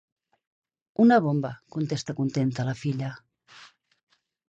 Una bomba!, contesta contenta la filla.